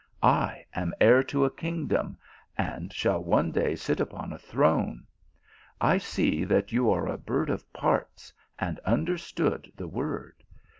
"I am heir to a kingdom, and shall one day sit upon a throne. I see that you are a bird of parts and understand the wo J.